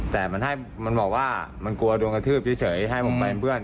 แต่มันบอกว่ามันกลัวโดนกระทืบเฉยให้ผมไปเพื่อน